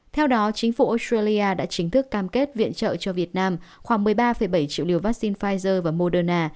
theo đó chính phủ australia đã chính thức cam kết viện trợ cho việt nam khoảng một mươi ba bảy triệu liều vaccine pfizer và moderna